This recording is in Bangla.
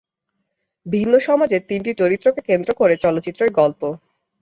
ভিন্ন সমাজের তিনটি চরিত্রকে কেন্দ্র করে চলচ্চিত্রের গল্প।